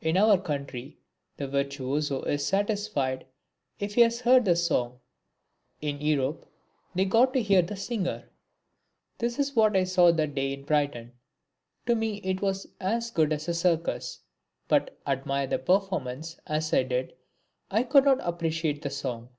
In our country the virtuoso is satisfied if he has heard the song; in Europe, they go to hear the singer. That is what I saw that day in Brighton. To me it was as good as a circus. But, admire the performance as I did, I could not appreciate the song.